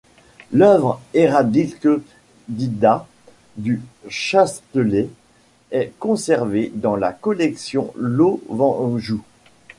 L'œuvre héraldique d'Ida du Chasteler est conservé dans la collection Lovenjoul.